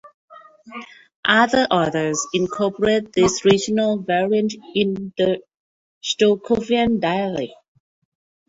Other authors incorporate this regional variant in the Chtokavian dialect.